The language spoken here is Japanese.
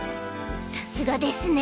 さすがですね。